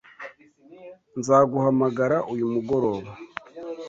Nzaguhamagara uyu mugoroba.